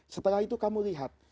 setelah itu kamu lihat